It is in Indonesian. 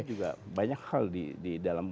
juga banyak hal di dalam